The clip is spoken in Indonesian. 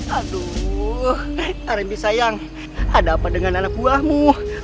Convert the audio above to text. aduh arbi sayang ada apa dengan anak buahmu